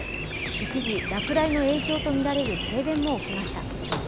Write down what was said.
一時、落雷の影響とみられる停電も起きました。